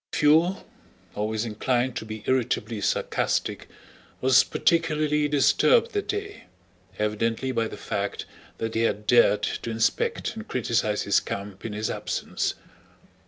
Pfuel, always inclined to be irritably sarcastic, was particularly disturbed that day, evidently by the fact that they had dared to inspect and criticize his camp in his absence.